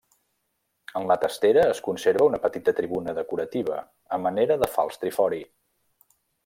En la testera es conserva una petita tribuna decorativa, a manera de fals trifori.